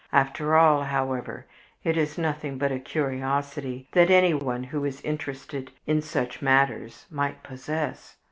After all, however, it is nothing but a curiosity that anyone who is interested in such matters might possess.